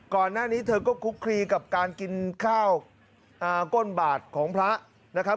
ก่อนหน้านี้เธอก็คุกคลีกับการกินข้าวก้นบาทของพระนะครับ